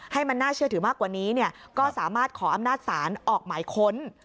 ให้มันน่าเชื่อถือมากกว่านี้ก็สามารถขออำนาจศาลออกหมายค้น